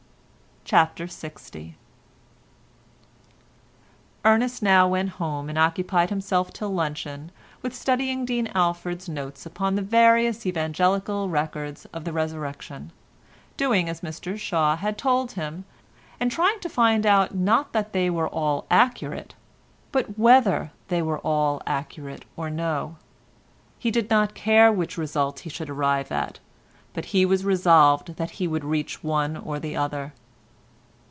CHAPTER LX Ernest now went home and occupied himself till luncheon with studying Dean Alford's notes upon the various Evangelistic records of the Resurrection, doing as Mr Shaw had told him, and trying to find out not that they were all accurate, but whether they were all accurate or no. He did not care which result he should arrive at, but he was resolved that he would reach one or the other.